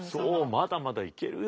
まだまだいけるよ。